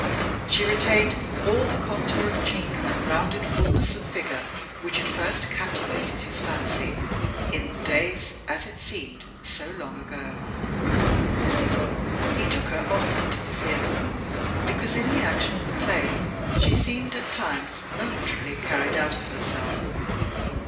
She retained all the contour of cheek and rounded fulness of figure which had first captivated his fancy in the days, as it seemed, so long ago. He took her often to the theatre, because in the action of the play she seemed at times momentarily carried out of herself.